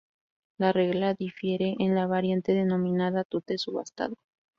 La regla difiere en la variante denominada tute subastado.